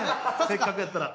せっかくやったら。